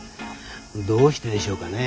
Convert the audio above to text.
どうしてでしょうかね。